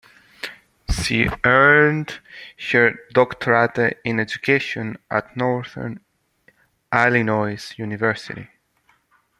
She earned her doctorate in education at Northern Illinois University.